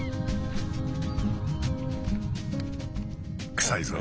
くさいぞ。